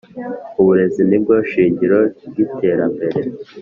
Uburezi nibwo shingiro ryiterambere .